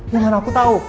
yang mana aku tau